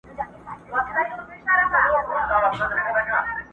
ښه دی چي جواب له خپله ځانه سره یو سمه،